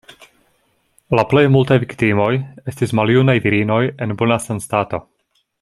La plej multaj viktimoj estis maljunaj virinoj en bona sanstato.